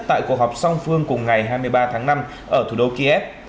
tại cuộc họp song phương cùng ngày hai mươi ba tháng năm ở thủ đô kiev